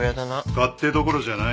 勝手どころじゃない。